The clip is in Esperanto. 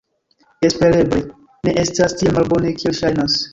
Espereble ne estas tiel malbone, kiel ŝajnas.